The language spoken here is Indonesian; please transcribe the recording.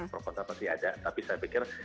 pro kontra pasti ada tapi saya pikir